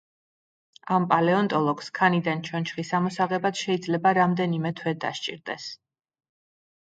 ამ პალეონტოლოგს ქანიდან ჩონჩხის ამოსაღებად შეიძლება რამდენიმე თვე დასჭირდება.